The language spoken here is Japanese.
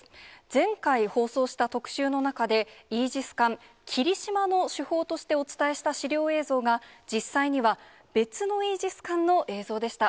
前回放送した特集の中で、イージス艦きりしまの主砲としてお伝えした資料映像が、実際には別のイージス艦の映像でした。